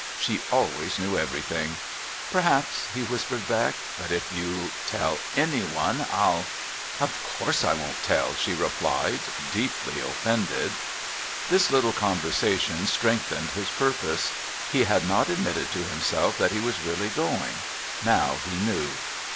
She always knew everything. "Perhaps," he whispered back; "but if you tell anyone I'll " "Of course I wouldn't tell," she replied, deeply offended. This little conversation strengthened his purpose. He had not admitted to himself that he was really going. Now he knew.